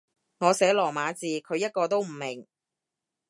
我寫羅馬字，佢一個都唔明